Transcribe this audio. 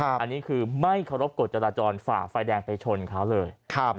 อันนี้คือไม่เคารพกฎจราจรฝ่าไฟแดงไปชนเขาเลย